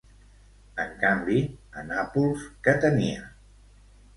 En canvi, a Nàpols, què tenia?